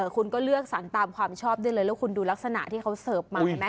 คุณก็เลือกสรรตามความชอบได้เลยแล้วคุณดูลักษณะที่เขาเสิร์ฟมาเห็นไหม